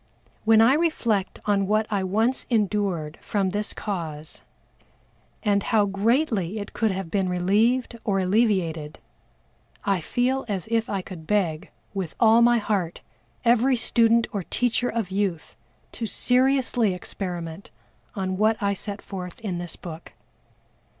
When I reflect on what I once endured from this cause, and how greatly it could have been relieved or alleviated, I feel as if I could beg, with all my heart, every student or teacher of youth to seriously experiment on what I set forth in this book.